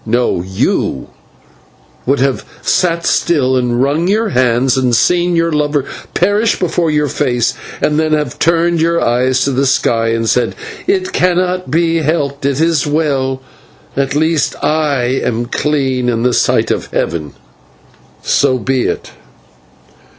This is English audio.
No, you would have sat still and wrung your hands and seen your lover perish before your face, and then have turned your eyes to the sky and said: 'It cannot be helped, it is well; at least, /I/ am clean in the sight of heaven.' "So be it.